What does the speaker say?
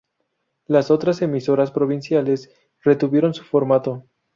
Las otras emisoras provinciales retuvieron su formato.